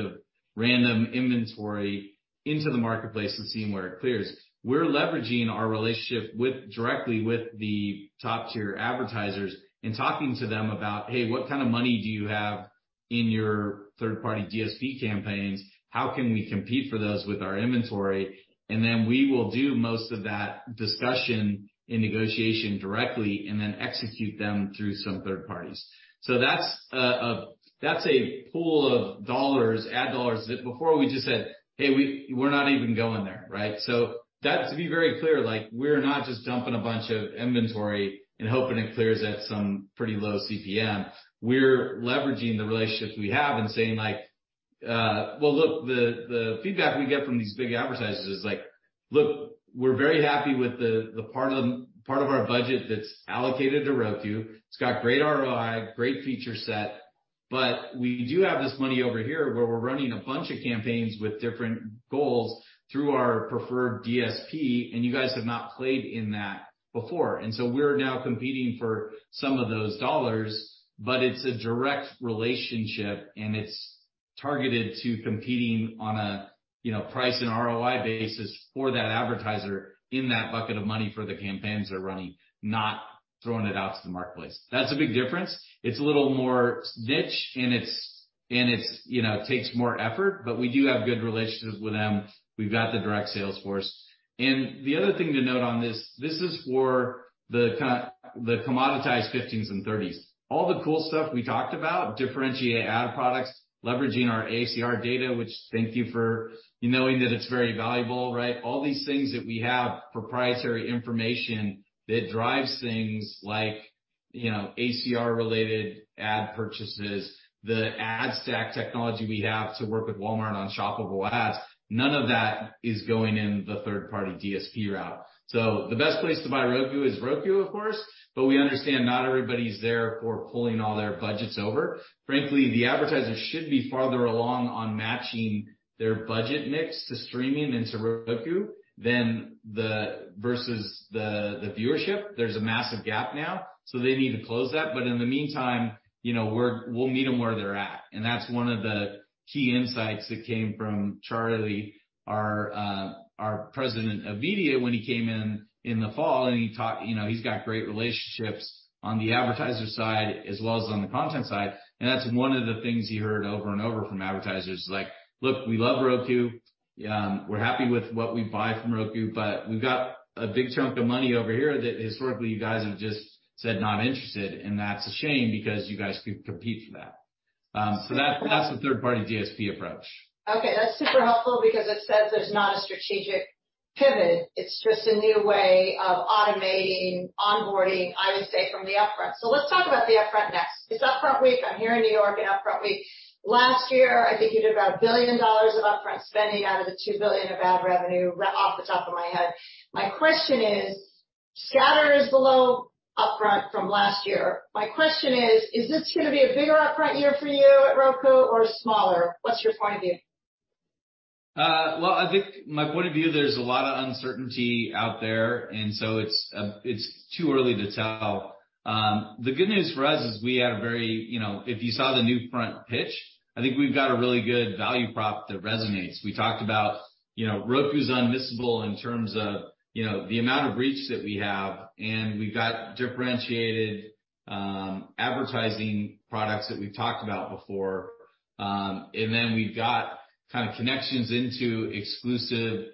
[SPEAKER 2] of random inventory into the marketplace and seeing where it clears. We're leveraging our relationship directly with the top-tier advertisers and talking to them about, "Hey, what kind of money do you have in your third-party DSP campaigns? How can we compete for those with our inventory?" Then we will do most of that discussion and negotiation directly and then execute them through some third parties. That's a pool of dollars, ad dollars that before we just said, "Hey, we're not even going there," right? That's to be very clear, like, we're not just dumping a bunch of inventory and hoping it clears at some pretty low CPM. We're leveraging the relationships we have and saying like, well, look, the feedback we get from these big advertisers is like, "Look, we're very happy with the part of our budget that's allocated to Roku. It's got great ROI, great feature set, but we do have this money over here, where we're running a bunch of campaigns with different goals through our preferred DSP, and you guys have not played in that before. We're now competing for some of those dollars, but it's a direct relationship, and it's targeted to competing on a, you know, price and ROI basis for that advertiser in that bucket of money for the campaigns they're running, not throwing it out to the marketplace. That's a big difference. It's a little more niche, and it's, you know, takes more effort, but we do have good relationships with them. We've got the direct sales force. The other thing to note on this is for the commoditized 15s and 30s. All the cool stuff we talked about, differentiate ad products, leveraging our ACR data, which thank you for knowing that it's very valuable, right? All these things that we have proprietary information that drives things like, you know, ACR related ad purchases, the ad stack technology we have to work with Walmart on shoppable ads. None of that is going in the third-party DSP route. The best place to buy Roku is Roku, of course, but we understand not everybody's there for pulling all their budgets over. Frankly, the advertisers should be farther along on matching their budget mix to streaming and to Roku than versus the viewership. There's a massive gap now. They need to close that. In the meantime, you know, we'll meet them where they're at. That's one of the key insights that came from Charlie, our President of Media, when he came in in the fall, and he talked. You know, he's got great relationships on the advertiser side as well as on the content side, and that's one of the things he heard over and over from advertisers is like, "Look, we love Roku. We're happy with what we buy from Roku, but we've got a big chunk of money over here that historically you guys have just said not interested, and that's a shame because you guys could compete for that." That, that's the third-party DSP approach.
[SPEAKER 1] Okay, that's super helpful because it says there's not a strategic pivot. It's just a new way of automating onboarding, I would say, from the upfront. Let's talk about the upfront next. It's Upfront Week. I'm here in New York in Upfront Week. Last year, I think you did about $1 billion of upfront spending out of the $2 billion of ad revenue, off the top of my head. My question is, scatter is below upfront from last year. My question is this gonna be a bigger upfront year for you at Roku or smaller? What's your point of view?
[SPEAKER 2] Well, I think my point of view, there's a lot of uncertainty out there, it's too early to tell. The good news for us is we had a very, you know, if you saw the NewFront pitch, I think we've got a really good value prop that resonates. We talked about, you know, Roku's unmissable in terms of, you know, the amount of reach that we have, we've got differentiated advertising products that we've talked about before. We've got kind of connections into exclusive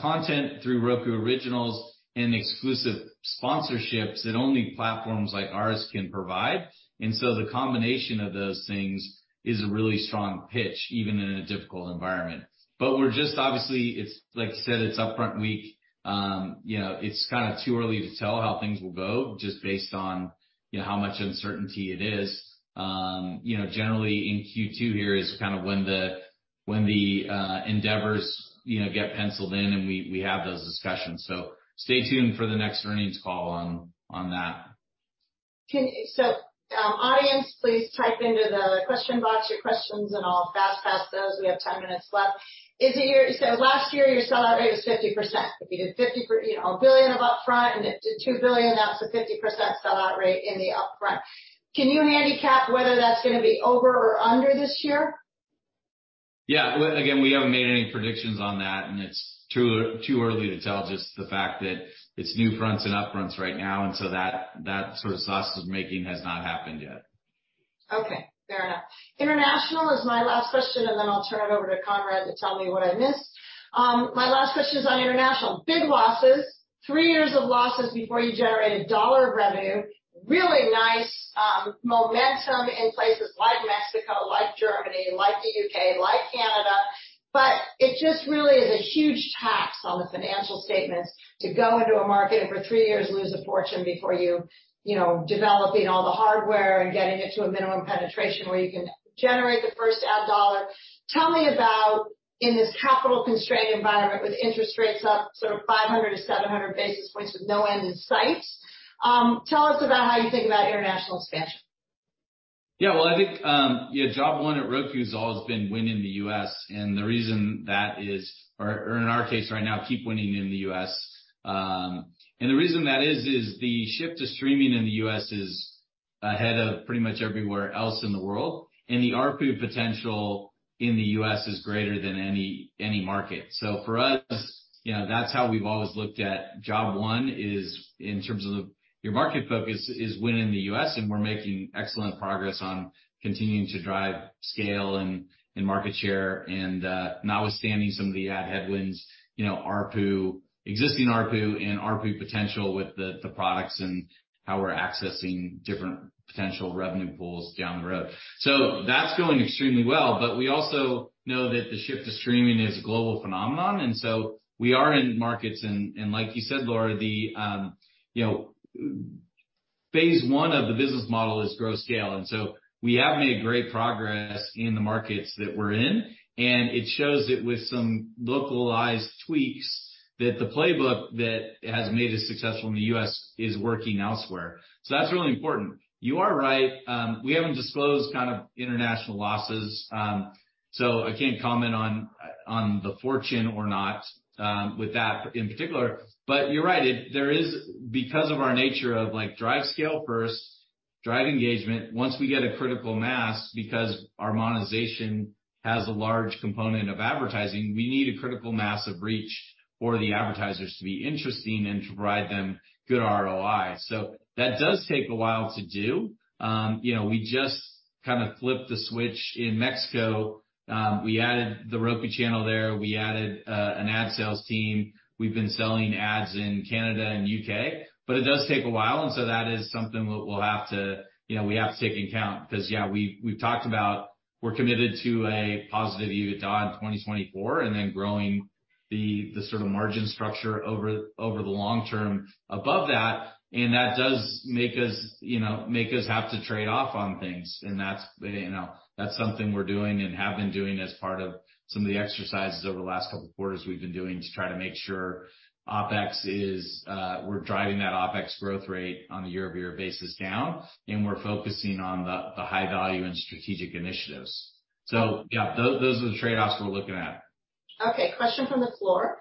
[SPEAKER 2] content through Roku Originals and exclusive sponsorships that only platforms like ours can provide. The combination of those things is a really strong pitch, even in a difficult environment. We're just obviously, it's like you said, it's Upfront Week. You know, it's kinda too early to tell how things will go just based on, you know, how much uncertainty it is. You know, generally in Q2 here is kind of when the endeavors, you know, get penciled in and we have those discussions. Stay tuned for the next earnings call on that.
[SPEAKER 1] Audience please type into the question box your questions and I'll fast pass those. We have 10 minutes left. Last year, your sellout rate was 50%. If you did 50% you know, $1 billion of upfront and it did $2 billion, that's a 50% sellout rate in the upfront. Can you handicap whether that's gonna be over or under this year?
[SPEAKER 2] Yeah. again, we haven't made any predictions on that, and it's too early to tell, just the fact that it's NewFronts and upfronts right now, that sort of sausage making has not happened yet.
[SPEAKER 1] Okay. Fair enough. International is my last question, and then I'll turn it over to Conrad to tell me what I missed. My last question is on international. Big losses. Three years of losses before you generate $1 of revenue. Really nice, momentum in places like Mexico, like Germany, like the U.K., like Canada. It just really is a huge tax on the financial statements to go into a market and for three years lose a fortune before you know, developing all the hardware and getting it to a minimum penetration where you can generate the first ad $1. Tell me about in this capital-constrained environment with interest rates up sort of 500-700 basis points with no end in sight, tell us about how you think about international expansion.
[SPEAKER 2] Well, I think, job one at Roku has always been winning the U.S., and the reason that is, in our case right now, keep winning in the U.S. The reason that is the shift to streaming in the U.S. is ahead of pretty much everywhere else in the world, and the ARPU potential in the U.S. is greater than any market. For us, you know, that's how we've always looked at job one is in terms of your market focus is winning the U.S., and we're making excellent progress on continuing to drive scale and market share and, notwithstanding some of the ad headwinds, you know, ARPU, existing ARPU and ARPU potential with the products and how we're accessing different potential revenue pools down the road. That's going extremely well, but we also know that the shift to streaming is a global phenomenon, and so we are in markets and, like you said, Laura, the, you know, phase one of the business model is grow scale. We have made great progress in the markets that we're in, and it shows that with some localized tweaks that the playbook that has made us successful in the US is working elsewhere. That's really important. You are right, we haven't disclosed kind of international losses, so I can't comment on the fortune or not, with that in particular. You're right. There is, because of our nature of, like, drive scale first, drive engagement, once we get a critical mass, because our monetization has a large component of advertising, we need a critical mass of reach for the advertisers to be interesting and to provide them good ROI. That does take a while to do. You know, we just kinda flipped the switch in Mexico. We added The Roku Channel there. We added an ad sales team. We've been selling ads in Canada and U.K. It does take a while, and so that is something we'll have to, you know, we have to take into account 'cause, yeah, we've talked about we're committed to a positive EBITDA in 2024 and then growing the sort of margin structure over the long term above that, and that does make us, you know, make us have to trade off on things. That's, you know, that's something we're doing and have been doing as part of some of the exercises over the last couple of quarters we've been doing to try to make sure OpEx is, we're driving that OpEx growth rate on a year-over-year basis down, and we're focusing on the high value and strategic initiatives. Yeah, those are the trade-offs we're looking at.
[SPEAKER 1] Okay, question from the floor.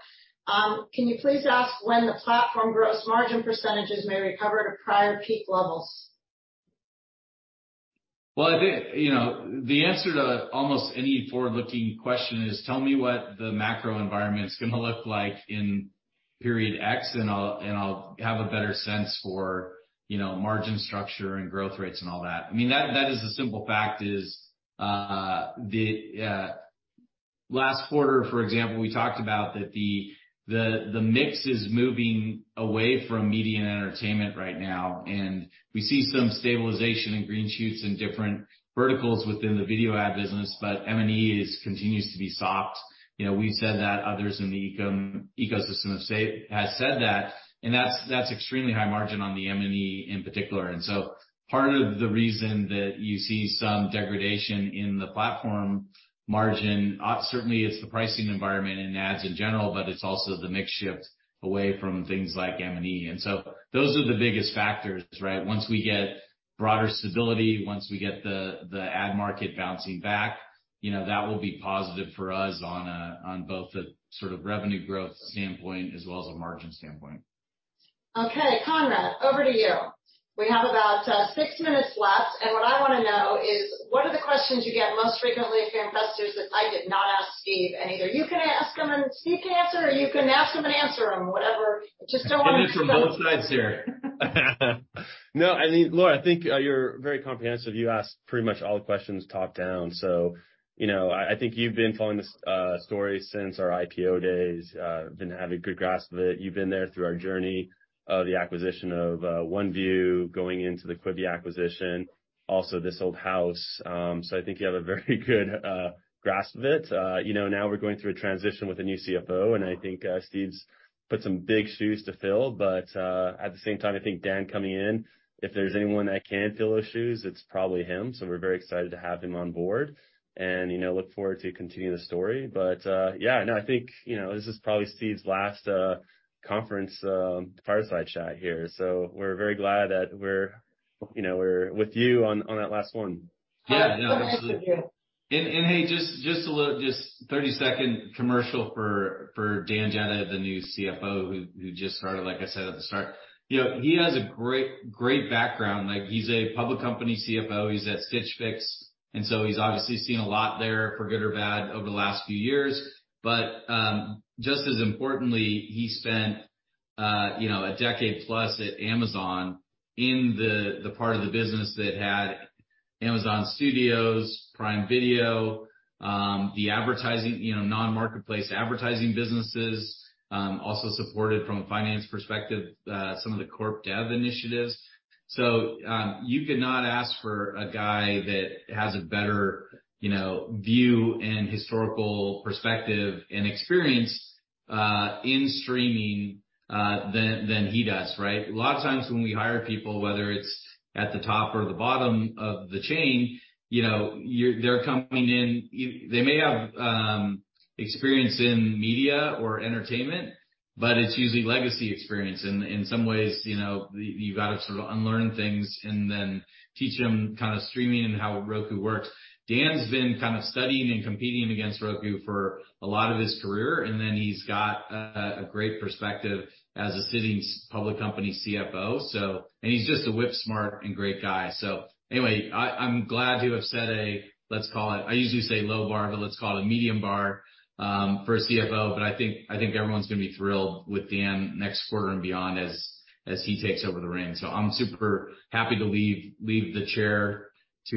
[SPEAKER 1] Can you please ask when the platform gross margin percentages may recover to prior peak levels?
[SPEAKER 2] Well, I think, you know, the answer to almost any forward-looking question is tell me what the macro environment's gonna look like in period X, and I'll, and I'll have a better sense for, you know, margin structure and growth rates and all that. I mean, that is the simple fact is, the last quarter, for example, we talked about that the mix is moving away from media and entertainment right now, and we see some stabilization and green shoots in different verticals within the video ad business, but M&E is continues to be soft. You know, we said that others in the ecosystem has said that, and that's extremely high margin on the M&E in particular. Part of the reason that you see some degradation in the platform margin, certainly it's the pricing environment in ads in general, but it's also the mix shift away from things like M&E. Those are the biggest factors, right? Once we get broader stability, once we get the ad market bouncing back, you know, that will be positive for us on both the sort of revenue growth standpoint as well as a margin standpoint.
[SPEAKER 1] Okay. Conrad, over to you. We have about, six minutes left. What I wanna know is what are the questions you get most frequently from investors that I did not ask Steve? Either you can ask them and Steve can answer, or you can ask them and answer them, whatever. Just don't.
[SPEAKER 2] Get it from both sides here.
[SPEAKER 3] No, I think, Laura, I think you're very comprehensive. You asked pretty much all the questions top down. You know, I think you've been following this story since our IPO days, been having a good grasp of it. You've been there through our journey of the acquisition of OneView, going into the Quibi acquisition, also This Old House. I think you have a very good grasp of it. You know, now we're going through a transition with a new CFO, and I think Steve's put some big shoes to fill. At the same time, I think Dan coming in, if there's anyone that can fill those shoes, it's probably him. We're very excited to have him on board and, you know, look forward to continuing the story. Yeah. No, I think, you know, this is probably Steve's last conference fireside chat here, so we're very glad that we're, you know, we're with you on that last one.
[SPEAKER 2] Yeah, yeah, absolutely.
[SPEAKER 1] All right. Thank you.
[SPEAKER 2] Hey, just a little 30-second commercial for Dan Jedda, the new CFO who just started, like I said at the start. You know, he has a great background. Like, he's a public company CFO. He's at Stitch Fix, he's obviously seen a lot there for good or bad over the last few years. Just as importantly, he spent, you know, a decade plus at Amazon in the part of the business that had Amazon Studios, Prime Video, the advertising, you know, non-marketplace advertising businesses, also supported from a finance perspective, some of the corp dev initiatives. You could not ask for a guy that has a better, you know, view and historical perspective and experience in streaming than he does, right? A lot of times when we hire people, whether it's at the top or the bottom of the chain, you know, they're coming in. They may have experience in media or entertainment. It's usually legacy experience. In some ways, you know, you've got to sort of unlearn things and then teach them kind of streaming and how Roku works. Dan's been kind of studying and competing against Roku for a lot of his career, and then he's got a great perspective as a sitting public company CFO, so. He's just a whip-smart and great guy. Anyway, I'm glad to have set a, let's call it. I usually say low bar, but let's call it a medium bar for a CFO. I think everyone's gonna be thrilled with Dan next quarter and beyond as he takes over the reins. I'm super happy to leave the chair to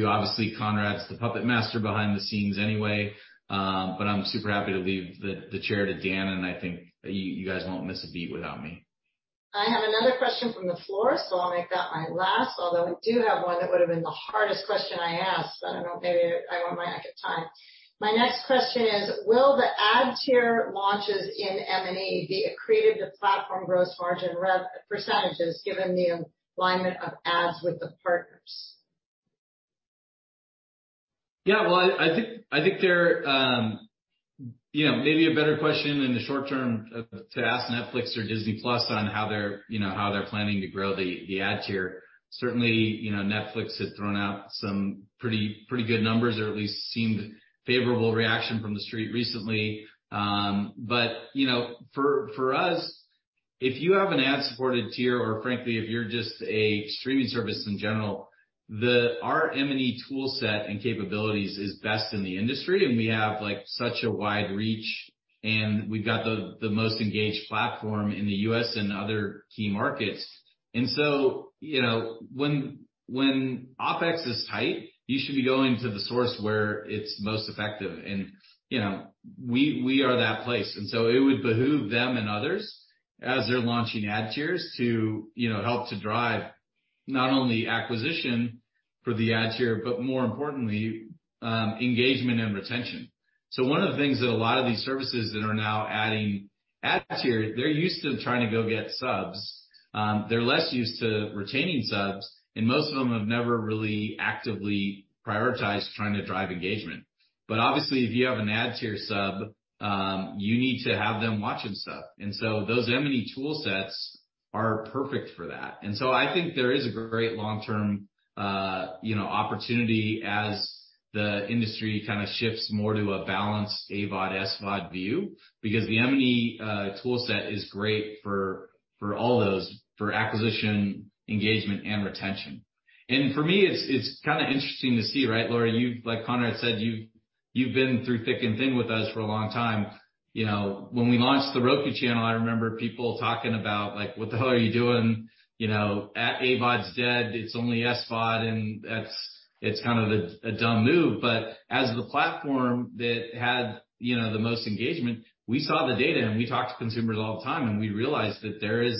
[SPEAKER 2] obviously Conrad's the puppet master behind the scenes anyway. I'm super happy to leave the chair to Dan, and I think you guys won't miss a beat without me.
[SPEAKER 1] I have another question from the floor, I'll make that my last. Although I do have one that would have been the hardest question I asked. I don't know, maybe I get time. My next question is, will the ad tier launches in M&A be accretive to platform gross margin rev percentages given the alignment of ads with the partners?
[SPEAKER 2] Yeah. Well I think they're, you know, maybe a better question in the short term to ask Netflix or Disney+ on how they're planning to grow the ad tier. Certainly, you know, Netflix has thrown out some pretty good numbers or at least seemed favorable reaction from the street recently. You know, for us, if you have an ad-supported tier or frankly, if you're just a streaming service in general, our M&E tool set and capabilities is best in the industry, and we have, like, such a wide reach, and we've got the most engaged platform in the U.S. and other key markets. You know, when OpEx is tight, you should be going to the source where it's most effective. You know, we are that place. It would behoove them and others as they're launching ad tiers to, you know, help to drive not only acquisition for the ad tier, but more importantly, engagement and retention. One of the things that a lot of these services that are now adding ad tier, they're used to trying to go get subs. They're less used to retaining subs, and most of them have never really actively prioritized trying to drive engagement. Obviously, if you have an ad tier sub, you need to have them watching stuff. Those M&E tool sets are perfect for that. I think there is a great long-term, you know, opportunity as the industry kind of shifts more to a balanced AVOD, SVOD view because the M&E tool set is great for all those, for acquisition, engagement, and retention. For me, it's kinda interesting to see, right, Laura, you've like Conrad said, you've been through thick and thin with us for a long time. You know, when we launched The Roku Channel, I remember people talking about like, "What the hell are you doing? You know, AVOD's dead. It's only SVOD, and that's kind of a dumb move." As the platform that had, you know, the most engagement, we saw the data, and we talked to consumers all the time, and we realized that there is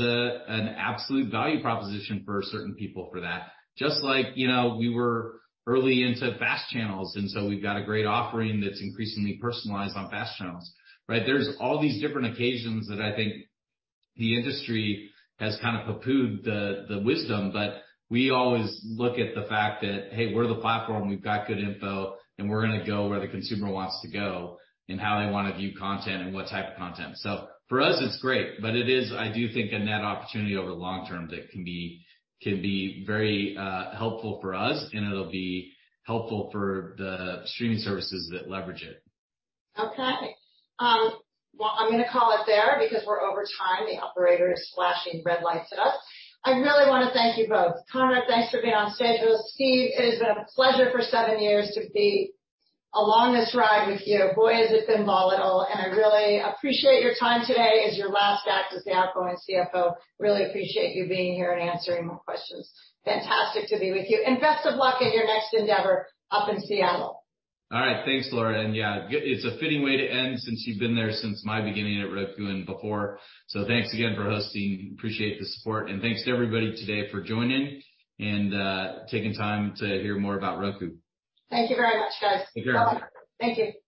[SPEAKER 2] an absolute value proposition for certain people for that. Just like, you know, we were early into FAST channels, so we've got a great offering that's increasingly personalized on FAST channels, right? There's all these different occasions that I think the industry has kind of pooh-poohed the wisdom. We always look at the fact that, hey, we're the platform, we've got good info, and we're gonna go where the consumer wants to go and how they wanna view content and what type of content. For us, it's great, it is, I do think, a net opportunity over the long term that can be, can be very helpful for us, and it'll be helpful for the streaming services that leverage it.
[SPEAKER 1] Okay. well, I'm gonna call it there because we're over time. The operator is flashing red lights at us. I really wanna thank you both. Conrad, thanks for being on stage with us. Steve, it has been a pleasure for seven years to be along this ride with you. Boy, has it been volatile, and I really appreciate your time today as your last act as the outgoing CFO. Really appreciate you being here and answering more questions. Fantastic to be with you. best of luck in your next endeavor up in Seattle.
[SPEAKER 2] All right. Thanks, Laura. Yeah, it's a fitting way to end, since you've been there since my beginning at Roku and before. Thanks again for hosting. Appreciate the support. Thanks to everybody today for joining and taking time to hear more about Roku.
[SPEAKER 1] Thank you very much, guys.
[SPEAKER 2] Take care.
[SPEAKER 1] Bye-bye. Thank you.